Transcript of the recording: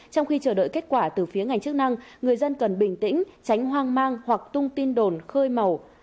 trong khi chờ đợi kết quả từ phía ngành chức năng người dân cần bình tĩnh tránh hoang mang hoặc tung tin đồn khơi màu